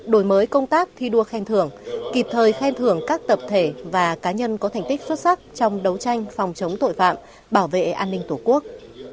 đổi mới công tác thi đua khen thưởng kịp thời khen thưởng các tập thể và cá nhân có thành tích xuất sắc trong đấu tranh phòng chống tội phạm bảo vệ an ninh tổ quốc